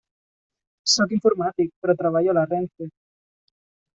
Sóc informàtic, però treballo a la RENFE.